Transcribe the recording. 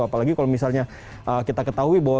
apalagi kalau misalnya kita ketahui bahwa